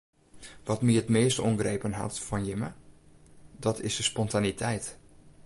Wat my it meast oangrepen hat fan jimme dat is de spontaniteit.